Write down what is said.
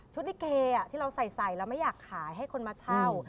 ลิเกที่เราใส่เราไม่อยากขายให้คนมาเช่า